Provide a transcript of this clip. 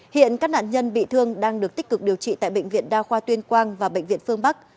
hiện các nạn nhân bị thương đang được tích cực điều trị tại bệnh viện đa khoa tuyên quang và bệnh viện phương bắc